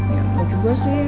ya engga juga sih